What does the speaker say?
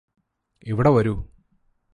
ഇവിടെ വരൂ